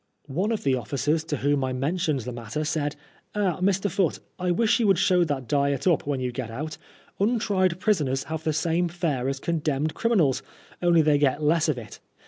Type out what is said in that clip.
One of the officers to whom I mentioned the matter said, '^ Ah, Mr. Foote, I wish you would show that diet up when you get out. Untried prisoners have the same fare as condemned criminals, only they get less of it.